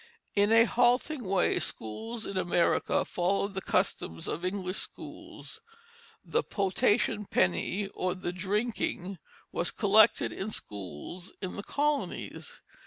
New Jersey] In a halting way schools in America followed the customs of English schools. The "potation penny," or "the drinking," was collected in schools in the colonies.